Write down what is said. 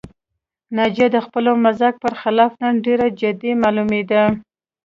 ناجیه د خپل مزاج پر خلاف نن ډېره جدي معلومېده